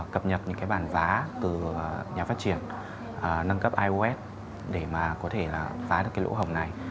cập nhật những cái bản vá từ nhà phát triển nâng cấp ios để mà có thể là phá được cái lỗ hồng này